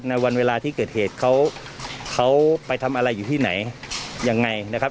ในวันเวลาที่เกิดเหตุเขาไปทำอะไรอยู่ที่ไหนยังไงนะครับ